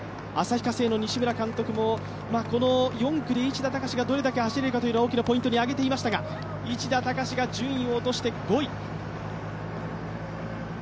旭化成の西村監督も４区で市田孝がどれだけ走れるかを大きなポイントに挙げていましたが、市田孝が順位を落として５位。